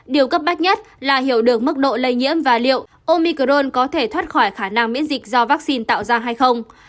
điều cấp bách nhất là hiểu được mức độ lây nhiễm và liệu omicron có thể thoát khỏi khả năng miễn dịch do vaccine tạo ra hay không